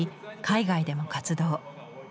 海外でも活動。